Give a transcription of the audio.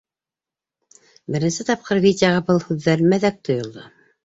Беренсе тапҡыр Витяға был һүҙҙәр мәҙәк тойолдо.